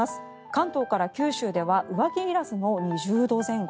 関東から九州では上着いらずの２０度前後。